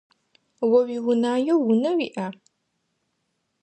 О уиунаеу унэ уиӏа?